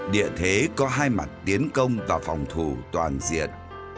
địa thế có hai mặt tiến công và phòng thủ toàn diện